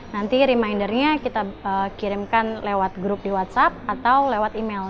nanti remindernya kita kirimkan lewat grup di whatsapp atau lewat email